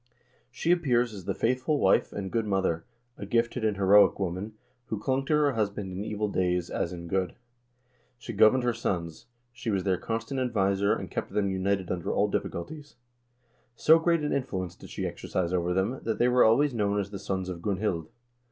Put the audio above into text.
She appears as the faithful wife and good mother, a gifted and heroic woman, who clung to her husband in evil days, as in good. She governed her sons; she was their constant adviser, and kept them united under all difficulties. So great an influence did she exercise over them that they were always known as the sons of Gunhild.